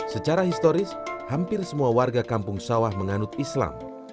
secara historis hampir semua warga kampung sawah menganut islam